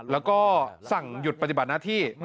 แล้วก็สั่งหยุดปฏิบัติหน้าที่